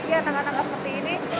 iya tangga tangga seperti ini